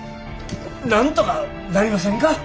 なんとかなりませんか？